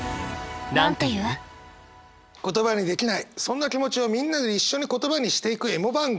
言葉にできないそんな気持ちをみんなで一緒に言葉にしていくエモ番組。